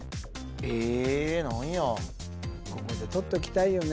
えっ何やここでとっときたいよね